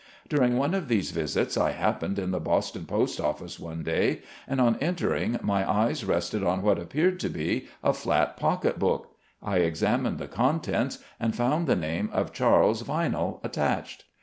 During one of these visits I happened in the Boston Post Office one day, and on entering, my eyes rested on what appeared to be a flat pocket book ; I examined the contents and found the name of Charles Vinell attached.